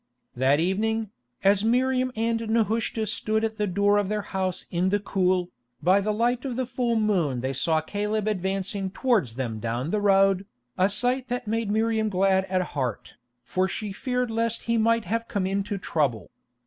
That evening, as Miriam and Nehushta stood at the door of their house in the cool, by the light of the full moon they saw Caleb advancing towards them down the road, a sight that made Miriam glad at heart, for she feared lest he might have come into trouble.